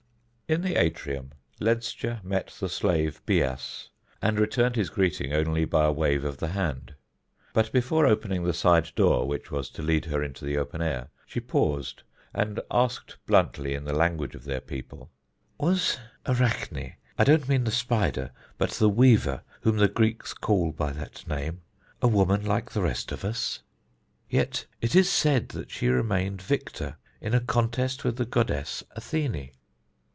In the atrium Ledscha met the slave Bias, and returned his greeting only by a wave of the hand; but before opening the side door which was to lead her into the open air, she paused, and asked bluntly in the language of their people: "Was Arachne I don't mean the spider, but the weaver whom the Greeks call by that name a woman like the rest of us? Yet it is said that she remained victor in a contest with the goddess Athene."